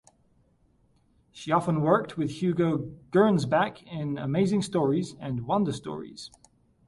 She often worked with Hugo Gernsback in "Amazing Stories" and "Wonder Stories".